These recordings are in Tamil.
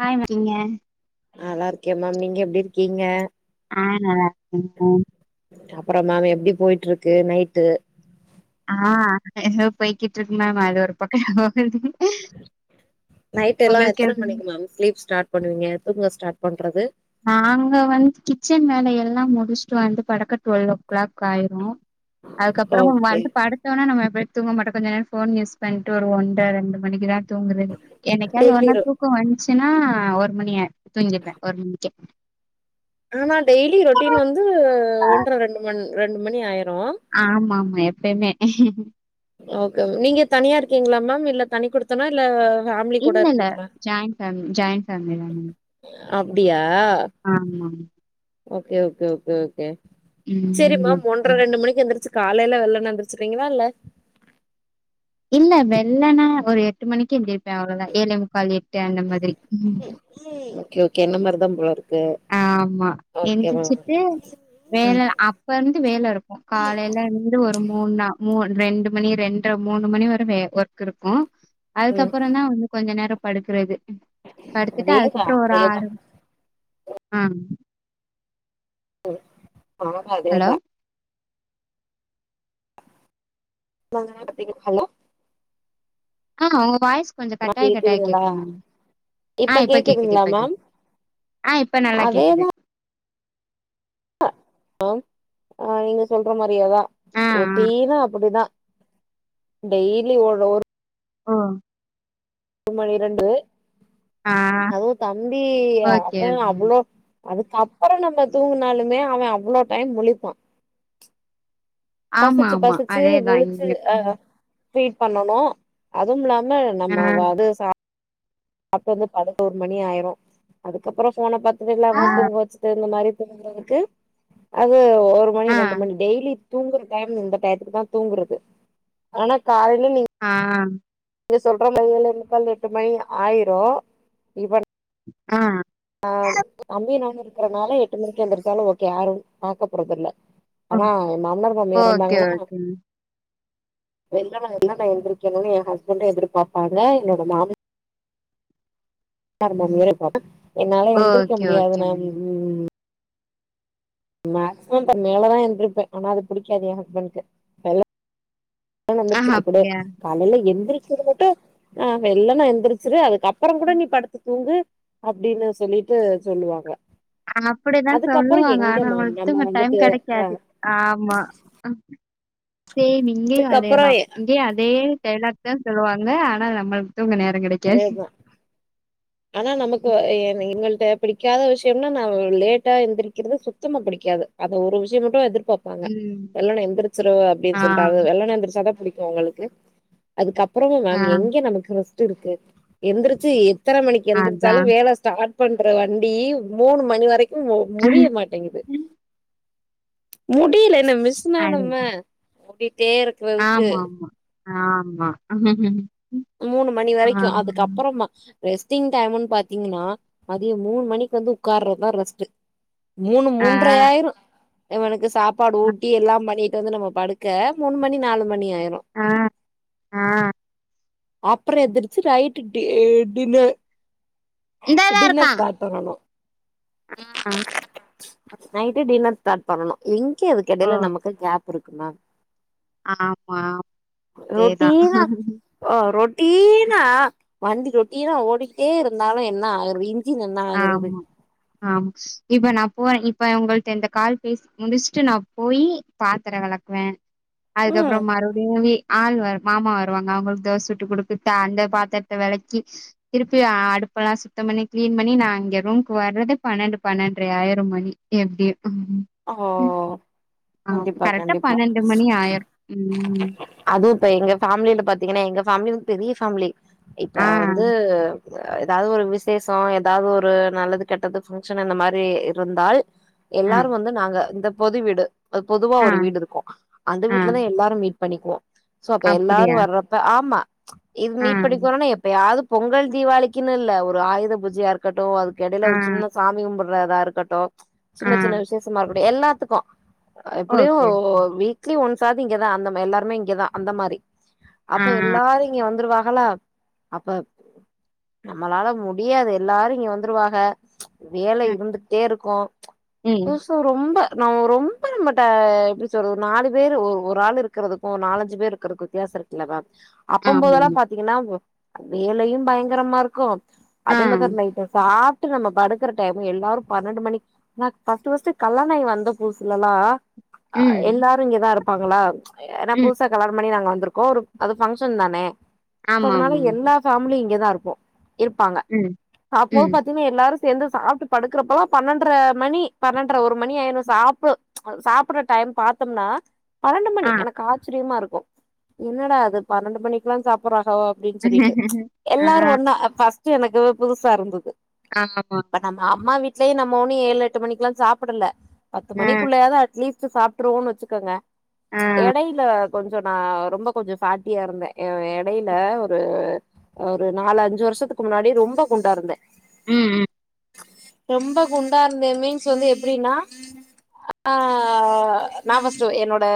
ஹாய் மரீங்க நல்லா இருக்கேன் மேம் நீங்க எப்டி இருக்கீங்க ஆ நல்லா இருக்கேன் அப்றோ மேம் எப்டி போய்ட்டு இருக்கு நைட்டு ஆ எதோ போய்க்கிட்டு இருக்கு மேம் அது ஒரு பக்கோ போகுது நைட் எல்லா உங்களுக்கு எத்தன எப்டி மணிக்கு மேம் ஸ்லீப் ஸ்டார்ட் பண்ணுவீங்க தூங்க ஸ்டார்ட் பண்றது நாங்க வந்து கிச்சன் வேலை எல்லா முடிச்சுட்டு வந்து படுக்க டுவெல்வ் ஓ கிளாக் ஆயிரு அதுக்கப்பறமும் ஓகே வந்து படுத்தொன்ன நம்ம எப்டி தூங்க மாட்டோ கொஞ்ச நேரோ ஃபோன் யூஸ் பண்ட்டு ஒரு ஒண்ற ரெண்டு மணிக்குதா தூங்குது என்னைக்காவது ஒரு டெய்லி நா ரொ தூக்கோ வந்ச்சுனா ஒரு மணி ஆ தூங்கிப்பே ஒரு மணி எ ஆனா டெய்லி ரொட்டீன் வந்து ஒன்றரை ரெண்டு மண் ரெண்டு மணி ஆயி ஆமாமா எப்பயமே ஓகே நீங்க தனியா இருக்கீங்களா மேம் இல்ல தனி குடுத்தனு இல்ல ஃபேமிலி கூட இல்லல்ல இருக்கீங்களா ஜாயிண்ட் ஃபேம்லி ஜாயிண்ட் ஃபேமிலி தாங்க அப்டியா ஆமா ஓகே ஓகே ஓகே ஓகே சரிமேம் ம் ஒன்ற ரெண்டு மணிக்கு எந்திரிச்சு காலையில வெள்ளனே எந்துச்சறீங்களா இல்ல இல்ல வெள்ளனா ஒரு எட்டு மணிக்கு எந்திரிப் அவ்ளோதா ஏழேமுக்கால் எட்டு அந்த மாதிரி ஓகே ஓகே என்ன மாரிதா போல இருக்கு ஆமா ஓகே மேம் எந்திர்ச்சிட்டு ம் வேல அப்ப இருந்து வேல இருக்கு காலையில இருந்து ஒரு மூண் நா முண் ரெண்டு மணி ரெண்டற மூணு மணி வர வே ஒர்க் இருக்கு ம் அதுக்கப்புற தா வந்து கொஞ்ச நேரோ படுக்கறது படுத்துட்டு அதேதா அதுக்குப்பற ஒரு அதேதா ஆறு ஆஹ் ம் நானு அதேதா நாங்கனா பாத்தீங்க ஹலோ ஆஹ் உங்க வாய்ஸ் கொஞ்சோ மா கட்டாய் கட்டாய் கேக்குதுங்களா கேக்குது மேம் ஆஹ் இப்ப கேக்குது கேக்குதுங்களா இப்ப மேம் கேக்குது ஆஹ் இப்ப நல்லா அதேதா கேக்குது ஓம் ஆஹ் நீங்க சொல்ற மாரியேதா ஆ ஆ. ரொட்டீனா அப்புடிதா டெய்லி ஒட்ற ஒர் ஓ ஒரு மணி இரண்டு ஆ அதுவு தம்பி ஓகே அவ ஓகே. அவ்ளோ அதுக்கப்றோ நம்ப தூங்குனாலுமே அவ அவ்ளோ டைம் முழிப்பா ஆமா பசிச்சு ஆமா. பசிச்சு அதேதான் முழிச்சு இங்கயும். அஹ் பீட் பண்ணனு அதுவும் இல்லாம நம்ம ஆ. அது சாப் அப்ப வந்து பதினொரு மணி ஆயிரு அதுக்கப்றோ போன பாத்துட்டு இல்ல ஆ அவன தூங்க வச்சுட்டு இந்த மாரி துங்குறதுக்கு அது ஒரு மணி ஆ ரெண்டு மணி டெய்லி தூங்குற டைம் இந்த டயத்துக்கு தான் தூங்குறது ஆனா கால் ஆஹ் நீ சொல்ற மாரி ஏழேமுக்கால் எட்டு மணி ஆயிரு இவன் ஆஹ் க்கறனால எட்டு மணிக்கு எந்துருச்சாலு ஓகே ஆரும் பாக்க போறதில்ல ஆனா என் மாம்னார் மாமியார் ஓகே இருந்தாங்கனா ஓகேங்க வெள்ளனோ‌ எல்லா நா எந்திரிக்கணு என் ஹஸ்பண்டு எதிர்பாப்பாங்க என்னோட மாமி னாரு மாமியாரு இருப்பாங்க என்னால எந்திரிக்க ஓகே முடியாது ஓகே நால் மேம் ம் மேக்சிமம் பர் மேலதான் எந்திருப்பேன் ஆனா அது புடிக்காது என் ஹஸ்பண்ட்க்கு வெள்ள ளனோ ஆ எந்திரிச்சுட்டு குடு அப்டியா காலையில எந்திரிக்றது மட்டு ஆஹ் வெள்ளனா எந்திரிச்சுரு அதுக்குகப் பறோ கூட நீ படுத்து தூங்கு அப்புடின்னு சொல்லிட்டு சொல்லுவாங்க அப்புடித்தான் அதுக்கப்புறம் சொல்லுவாங்க எங்க ஆனா மேம் நம்ம உங்ளுக்தூங்க டைம் வந்துட்டு அ கெடைக்காது ஆமா சேம் இங்கயு அதுக்கப்புறம் அதேதா எ- இங்கேயு அதே டய்லாக் தா சொல்லுவாங்க ஆனா நம்பள்க் தூங்க நேரோ கெடைக்காது அதேதான் ஆனா நமக்கு என் எங்கள்ட்ட பிடிக்காத விஷயம்னா நா லேட்டா எந்திரக்கிறது சுத்தமா புடிக்காது அது ஒரு விஷயம் மட்டு எதிர்ப் பாப்பாங்க ம் வெள்ளன எந்திரிச்சிரு அப்புடின்னு ஆ சொல்லிட்டு வெள்ளன எந்திரிச்சாதான் புடிக்கு அவங்களுக்கு அதுக்கப்றோ ஆ மேம் எங்க நமக்கு ரெஸ்ட்டு இருக்கு எந்திரிச்சி எத்தன மணிக்கு அதா எந்திரிச்சாலு வேல ஸ்டார்ட் பண்ற வண்டி மூணு மணி வரைக் முடிய மாட்டிங்குது முடியல மிஷினாஹ் அது நம்ம ட்டே இருக்கறதுக்கு ஆமா ஆமா ஆமா மூணு மணி வரைக்கு ஆமா அதுக்கப்பறமா ரெஸ்ட்டிங் டைமுன்னு பாத்தீங்கன்னா மதியம் மூனு மணிக்கு வந்து உட்கார்றதுதா ரெஸ்ட்டு மூனு ஆ மூன்ற ஆயிரு இவனுக்கு சாப்பாடு ஊட்டி எல்லா பண்ணி ட்டு வந்து நம்ம படுக்க மூனு மணி நாலு மணி ஆயிரு ஆ ஆ அப்பறோ எந்திரிச்சு ரைட்டு டி டின்னர் இந்தாதா டின்னர் இருக்கா ஸ்டார்ட் பண்ணணு ஆ நைட்டு டின்னர் ஸ்டார்ட் பண்ணணு எங்க ஓ இதுக்கெடையில நமக்கு கேப் இருக்கு மேம் ஆமா அதேதா ரொட்டீனா ஆ ரொட்டீனா வண்டி ரொட்டீனா ஓடிக்கிட்டே இருந்தாலு என்னா ஆயிருது ஆமா ஆமா இப்ப நா போற இப் இப்ப உங்கள்ட்ட இந்த கால் பேசி முடிச்சுட்டு நா போய் பாத்துரோ வெலக்குவ அதுக்கப்றோ ம் மறுபடியுமே ஆள் வர மாமா வருவாங்க அவுங்களுக்கு தோச சுட்டு குடுத்துட்டு அந்த பாத்தரத்த வெலக்கி திருப்பி அடுப் இப்பல்லா சுத்தம் பண்ணி கிளீன் பண்ணி நா இங்க ரூம்க்கு வர்றது பன்னெண்டு பன்னெண்ட்ர ஆயிரு மணி எப்டியு ஓ ஆ கண்டிப்பா கரெக்டா கண்டிப்பா மணி ஆயிரும். ம். அதுவு இப்ப எங்க ஃபேமிலில பாத்தீங்கன்னா எங்க ஃபேமிலியு பெரிய ஃபேமிலி இப்ப ஆ, வந்து ஏதாவது ஒரு விசேஷ ஏதாவது ஒரு நல்லது கெட்டது ஃபங்க்ஷன் அந்த மாரி இருந்தால் ஆ, எல்லாரும் வந்து நாங்க இந்த பொது வீடு இப்ப பொதுவா ஆ, ஒரு வீடு இருக்கும் அந்த ஆ. வீட்லதா எல்லாரு மீட் பண்ணிக்குவோ சோ அப்ப எல்லாரு அப்படியா? வர்றப்ப ஆமா இது ஆ, மீட் பண்ணிக்கோணுன்னா எப்பயாது பொங்கல் தீபாளளிக்குன்னு இல்ல ஒரு ஆயுத பூஜையா இருக்கட்டு அதுக்கு எடையில ஆ, ஒரு சின்ன சாமி கும்புட்றதா இருக்கட்டு ஆ. சின்ன சின்ன விசேஷமா இருக்கட்டு எல்லாத்துக்கு எப்டியு ஓ ஓகே. வீக்லி ஒன் சாது இங்கதா அந்தமா எல்லாருமே இங்கதா அந்தமாரி ஆ அப்ப எல்லாரு இங்க வந்துருவாங் ல்லா அப்ப நம்மளால முடியாது எல்லாரு இங்க வந்துருவாக வேலை ம் இருந்துட்டே இருக்கு ம் டுசு ரொம்ப நா ரொம்ப நம்மட்ட எப்டி சொல்றது நாலு பேரு ஒரு ஒரு ஆளு இருக்கறதுக்கும் நாலஞ்சு பேர் இருக்கறதுக்கு வித்தியாச இருக்குல்லவா அப்பம் போதெல்லா ஆமாமா பாத்தீங்கன்னா‌ வே வேலையு பயங்கரமா இருக்கு ஆ அதே மாரிதா நைட்டு சாப்ட்டு நம்ம படுக்கிற டைம் எல்லாரு பன்னெண்டு மணிக் நக் ஃபஸ்ட்டு ஃபஸ்ட்டு கல்யாணாயி வந்த புதுசலல்லா ஆ ம் எல்லாரு இங்கதா இருப்பாங்களா ஏன்னா ம் புதுசா கல்யாணம் பண்ணி நாங்க வந்துருக்கோ ஒரு அது ஃபங்க்ஷன் தானே க்கதுனால ஆமாமா எல்லா ஃபேமிலியும் இங்கதா இருக்கு இருப்பாங்க ம் அப்போ வந்து ம் பாத்தீங்கன்னா எல்லாரு சேந்து சாப்ட்டு படுக்கறப்பல்லா பன்னெண்ட்ர மணி பன்னெண்ட்ர ஒரு மணி ஆயிரு சாப்டு சாப்புற டைம் பாத்தோம்னா பன்னெண்டு மணி ஆ எனக்கு ஆச்சரியமா இருக்கு என்னடா இது பன்னெண்டு மணிக்கெல்லா சாப்புட்றா க அப்டின்னு சொல்லிட்டு ஆ எல்லாரு ஒன்னா ஆ ஃபஸ்ட்டு எனக்கு புதுசா இருந்துது ஆமா இப்ப நம்ம அம்மா வீட்லயே நம்ம ஒன்னும் ஏழு எட்டு மணிக்கெல்லா சாப்புடல பத்து ஆ மணிக்குள்ளேயாது அட்லீஸ்ட்டு சாப்ட்டுருவோன்னு வச்சுக்கோங்க ஆ எடையில கொஞ்ச நா ரொம்ப கொஞ்ச ஃபேட்டியா இருந்த ஆ எடையில ஒரு ஒரு நாலு அஞ்சு வருஷத்துக்கு முன்னாடி ரொம்ப குண்டா இருந்த ம் ம் ரொம்ப குண்டா இருந்தே மீன்ஸ் வந்து எப்டின்னா ஆ நா ஃபஸ்ட்டு என்னோட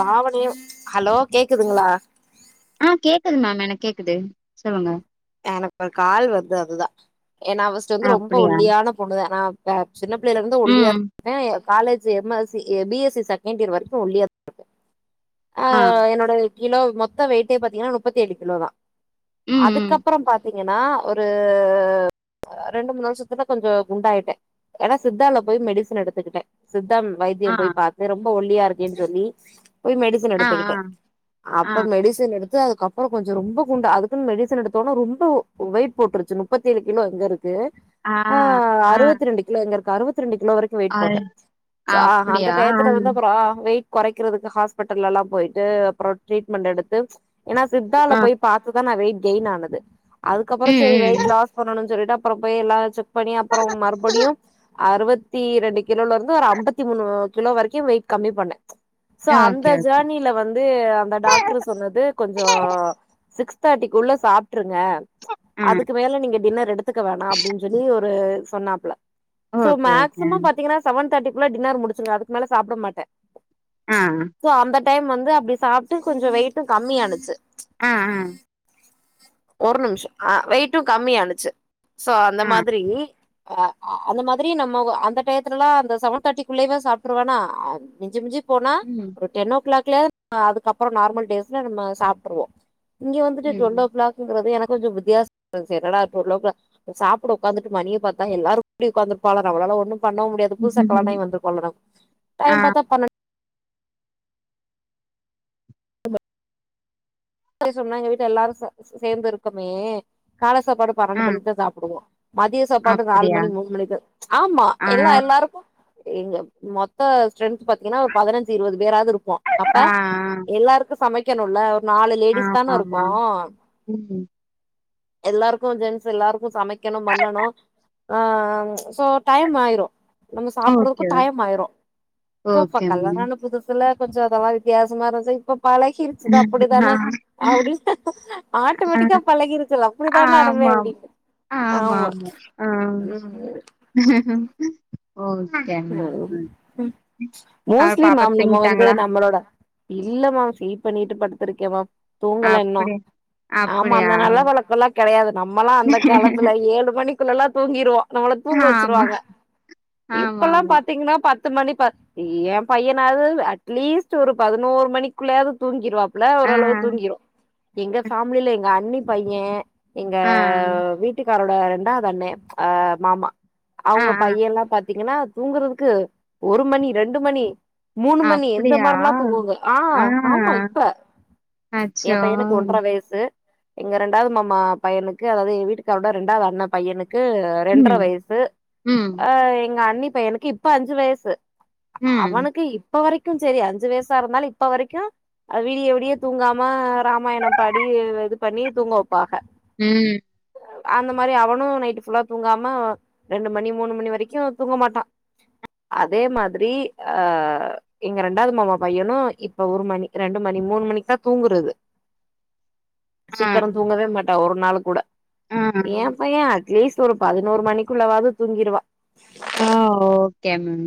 பாவனையு ஹலோ கேக்குதுங்களா ஆ ஆ கேக்குது மேம் எனக்கு கேக்குது சொல்லுங்க எனக் ஒரு கால் வருது அதுதா ஏன்னா ஃபஸ்ட்டு வந்து ரொம்ப அப்டியா ஒல்லியான பொண்ணுதா நா இப்ப சின்னப் பிள்ளையில இருந்து ம் ஒல்லியாருந்த காலேஜு எம்எஸ்சி ஏ பிஎஸ்சி செகண்ட் இயர் வரைக்கு ஒல்லியதா இருப்ப ஆ என்னோட கிலோ மொத்த வெயிட்டே பாத்தீங்கன்னா முப்பத்தேழு கிலோதா ம் ம் க்கப்பறம் பாத்தீங்கன்னா ஒரு ரெண்டு மூணு வருஷத்துல கொஞ்ச குண்டாயிட்டே ஏன்னா சித்தால போய் மெடிசன் எடுத்துக்கிட்டே சித்தம் ஆ வைத்தியம் போய் பார்த்த ரொம்ப ஒல்லியா இருக்கேன்னு சொல்லி போய் மெடிசன் ஆ ஆ எடுத்துக்கிட்டே ஆ அப்ப மெடிசன் எடுத்து அதுக்கப்புற கொஞ்சம் ரொம்ப குண்டு அதுக்குன்னு மெடிச எடுத் தணு ரொம்ப வெயிட் போட்டுருச்சு முப்பத்தி ஏழு கிலோ எங்க இருக்கு ஆ து ஆ அறுவத்தி ரெண்டு கிலோ எங்க இரு அறுவத் வத்தி ரெண்டு கிலோ வரைக்கு வெயிட் அது போட்டே அந்த அப்டியா டயத்துல வந்து அப்புற வெயிட் கொறைக்கிறதுக்கு ஹாஸ்பிட்டல்ல எல்லா போயிட்டு அப்புற ட்ரீட்மெண்ட் எடுத்து ஏன்னா சித்தால ஆ போய் பாத்துதா நா வெயிட் கெயின் ஆனது அதுக்கப்பற ம் சரி வெயிட் ம் லாஸ் பண்ணும்னு சொல்லிட்டா அப்புற போய் எல்லா செக் பண்ணி அப்புற மறுபடியு அறுவத்தி ரெண்டு கிலோல இருந்து ஒரு ஐம்பத்தி மூணு கிலோ வரைக்கு வெயிட் கம்மி பண்ணே சோ அந்த ஓகே ஓகே ஜேர்னில வந்து அந்த டாக்டரு சொன்னது கொஞ்சம் சிக் தேடிக்குள்ள சாப்பிட்டுருங்க ஆ அதுக்கு மேல நீங்க டின்னர் எடுத்துக்க வேணா அப்டின்னு சொல்லி சொன்னாப்ல சோ ஓகே ஓகே மேக்சிமம் பாத்தீங்கன்னா செவன் தேட்டி டின்னர் முடிச்சு அதுக்கு மேல சாப்பிட மாட்டே ஆ சோ அந்த டைம் வந்து அப்படி சாப்ட்டு கொஞ்ச வெயிட்டு கம்மி ஆனுச்சு ஆ ஆ ஒரு நிமிஷ ஆ வெயிட்டு கம்மியானுச்சு சோ அந்த ஆ மாதிரி அந்த மாதிரி நம்ம அந்த டயத்துலாம் அந்த செவன் தேர்ட்டிக்குள்ளேயவே சாப்பிருவனா மிஞ்சு மிஞ்சு போனா ம் ஒரு டென் ஓ கிளாக்ல அதுக்கப்பற நார்மல் டேஸ்ல நம்ம சாப்பிட்டுருவோ இங்க வந்துட்டு டுவல் ம் ஓ கிளாக் எனக்கு கொஞ்சம் வித்தியாச இருந்துச்சு என்னடா லோக்ல சாப்பிட உக்காந்து மணி பாத்தா எல்லாரு இப்டி உக்காந் நம்பலால ஒண்ணு பண்ணவு முடியாது புதுச கல்யானம் வந்துருக்கோம்ல ஆ டைம் பாத்த பண்ணெண் சொன்னாங்க வீட்டு எல்லாரு சேர்ந்து இருக்குமே கால சாப்பாடு ஆ பன்னெண்டு மணிக்கு தான் சாப்பிடுவோ மதிய சாப்பாடு நாலு அப்டியா மணி மூணு மணிக்கு ஆமா ஆ எல்லா எல்லாருக்கு எங்க மொத்த ஸ்ட்ரென்த் பாத்தீங்கன்னா ஒரு பதினஞ்சு இருவது வேராவது இருக்கு அப்ப ஆ எல்லாருக்கு சமைக்கணுல்ல ஒரு நா ஆ லேடிஸ் தான இருக்கோ ஆமாமா ம் எல்லாருக்கு ஜென்ஸ் எல்லாருக்கு சமைக்கணு பன்னணு ஆ சோ டைம் ஆயிரு நம்ம சாப்பிடுறதுக்கு ஓகே டைம் ஆயிரு சோ அபா ஓகே கல்யாண மேம் ஆன புதுசில கொஞ்சம் அதமா வித்தியாசமா இருந்து இப்ப பழகிச்சது ஆ அப்டித்தான அப்படின்னு ஆட்டோமேட்டிக்கா பழகி இருச்சல்ல அப்டித்தான அனுமே அப்டின்னு ஆமா ஆமா ம் ஆ ஓகே மேம் ஆ மோஸ்ட்லி பாப்பா மேம் நம்ம வந்து தூங்கிட்டாங்களா நம்மளோட இல்ல மேம் ஃபீட் பண்ணிட்டு படுத்திருக்கேன்மா தூங்கல இன்னு அப்டி ஆமா அப்டியா அந்த நல்ல வழக்க எல்லா கெடையாது நம்மல்லா அந்த காலத்துல ஏழு மணிக்குள்ள எல்லா தூங்கிருவோ நம்மள தூங்க ஆமா வச்சிருவாங்க இப்பல்லா ஆமாமா பாத்தீங்கன்னா பக் பத்து மணி பத் ஏ பையனாவது அட்லீஸ்ட் ஒரு பதினோரு மணிக்குள்ளேயாவது தூங்கிருவாப் ல ஆ ஓரளவு தூங்கிறு எங்க ஃபேமிலில எங்க அண்ணி பைய எங்க ஆ வீட்டுக்காரோட ரெண்டாவதண்ணே அ மாமா ஆ அவங்க ஆ பையல்லா பாத்தீங்கன்னா தூங்குறதுக்கு ஒரு மணி ரெண்டு மணி மூணு மணி எந்த அப்டியா மாரில்லா தூங்குங்க ஆ ஆமா இப்ப எ அச்சோ பையனுக்கு ஒன்ர வயசு எங்க ரெண்டாவது மாமா பையனுக்கு அதாவது வீட்டுக்காரட ரெண்டாவது அண்ண பையனுக்கு ரெண்டரை ம் வயசு ம் ஆ எங்க அண்ணி பையனுக்கு இப்ப அஞ்சு வயசு ம் அவனுக்கு இப்ப வரைக்கு சரி அஞ்சு வயசா இருந்தாலு இப்ப வரைக்கு விடிய விடிய தூங்காம ராமாயண பாடி இது பண்ணி தூங்க வைப்பாக ம் அந்த மாரி அவனு நைட் ஃபுல்லா தூங்காம ரெண்டு மணி மூணு மணி வரைக்கு தூங்க மாட்டா அதே மாதிரி அ எங்க ரெண்டாது மாமா பையனு இப்ப ஒரு மணி ரெண்டு மணி மூணு மணிக்குதா தூங்குறது ஆ சீக்கர தூங்கவே மாட்டா ஒரு நாளு கூட ஆ ஏ பைய அட்லீஸ்ட் ஒரு பதினோரு மணிக்குள்ளவாது தூங்கிருவா ஆ ஓகே மேம்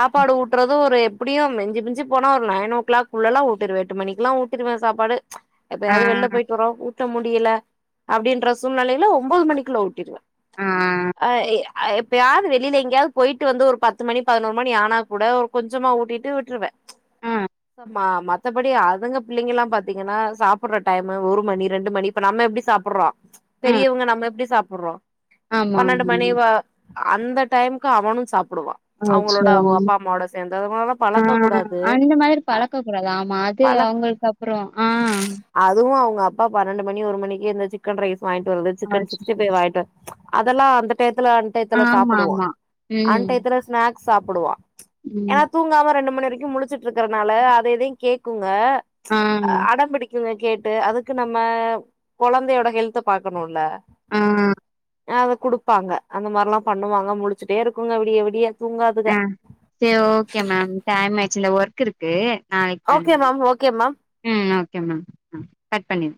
ஓகே ஊட்டுறது ஒரு எப்டியு மிஞ்சி மிஞ்சி போனா ஒரு நைன் ஓ க்ளாக்குள்ளலா ஊட்டிருவே எட்டு மணிக்குலா ஊட்டிருவே சாப்பாடு ஆ எப்பயாது வெள்ல போய்ட்டு வரோ ஊட்ட முடியல அப்டின்ற சூழ்நெலைல ஒம்பொது மணிக்குள்ள ஊட்டிருவே அ எப்பயாது வெளில எங்கையாது போய்ட்டு வந்து ஒரு பத்து மணி பதுனோரு மணி ஆனா கூட ஒரு கொஞ்சமா ஊட்டிட்டு விட்ருவே ஆ ஆ ம மத்தபடி அதுங்க பிள்ளைங்கலா பாத்தீங்கனா சாப்புட்ற டைமு ஒரு மணி ரெண்டு மணி இப்ப நா நம்ம எப்டி சாப்புட்றோ பெரியவங்க நம்ம எப்டி சாப்புட்டுறோ ஆமா பன்னெண்டு ஆமா மணி வா அந்த டைம்க்கு அவனு சாப்புடுவா அவங்களோட அச்சோ அவ ம் அப்பா அம்மாவோட சேந்து அதுனால அ பழக்க கூடாது அந்த மாரி பழக்க கூடாது ஆமா அது பழ அவங்களுக்கு அப்ற ஆ அதுவு அவங்க அப் அப்பா பன்னெண்டு மணி ஒரு மணிக்கு இந்த சிக்கன் ரைஸ் வாங்ட்டு வர்றது சிக்கன் சிக்ஸ்ட்டி அச்சச்சோ பை வாங்க்ட்டு அதெல்லா அந்த டை த்துல அண்டயத்துல ஆமா சாப்புடுவா ஆமா ம் அண்டயத்துல ஸ்னாக்ஸ் சாப்புடுவா ம் ஏனா தூங்காம ரெண்டு மணி வரைக்கு முழிச்சுட்ருக்கறனால அதயு இதயு கேக்குங் ஆ இப்ப அடம்பிடிக் [unintelligible] கேட்டு அதுக்கு நம்ம கொழந்தையோட ஹெல்த பாக்கணுல அ அத குடுப்பாங்க அந்த மாரிலா பண்ணுவாங்க முலிச்சுட்டே இருக்குங்க விடிய விடிய தூங்காதுக அ சேர் ஓகே மேம் டைம் ஆய்ச்சுல ஒர்க் இருக்கு நாளைக்கு பண் ஓகே மேம் ஓகே மேம் ம் ஓகே மேம் கட் பண்ணி